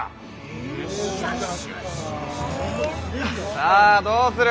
さぁどうする？